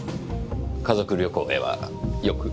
家族旅行へはよく？